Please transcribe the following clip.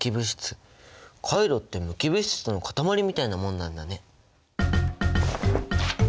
カイロって無機物質の塊みたいなものなんだね！